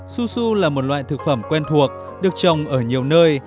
su su là một loại thực phẩm quen thuộc được trồng ở nhiều nơi